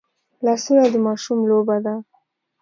لاسونه د ماشوم لوبه ده